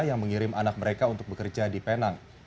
yang mengirim anak mereka untuk bekerja di penang